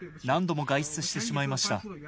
何度も外出してしまいました。